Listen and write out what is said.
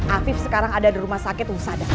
afif sekarang ada di rumah sakit usada